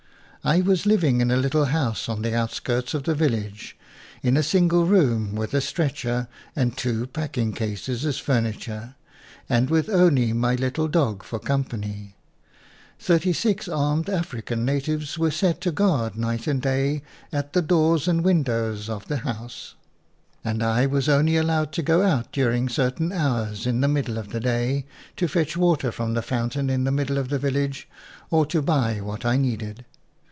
I was living in a little house on the outskirts of the village, in a single room, with a stretcher and two packing cases as fur niture, and with only my little dog for company. Thirty six armed African natives were set to guard night and day at the doors and windows of the house; FOREWORD and I was only allowed to go out during certain hours in the middle of the day to fetch water from the fountain in the middle of the village, or to buy what I needed.